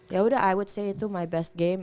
ya udah i would say itu my best game